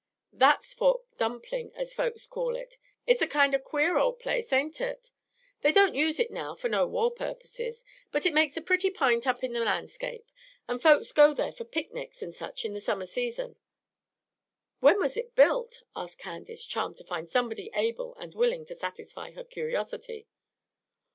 That's Fort Dumpling, as folks call it. It is a kind of a queer old place, ain't it? They don't use it now for no war purposes, but it makes a pretty p'int in the landscape, and folks go there for picnics and such in the summer season." "When was it built?" asked Candace, charmed to find somebody able and willing to satisfy her curiosity.